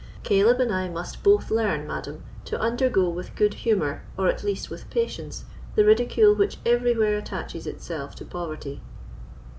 "Caleb and I must both learn, madam, to undergo with good humour, or at least with patience, the ridicule which everywhere attaches itself to poverty."